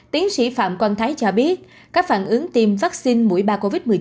tiến sĩ phạm quang thái cho biết các phản ứng tiêm vaccine mũi ba covid một mươi chín